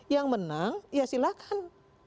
yang menang ya silahkan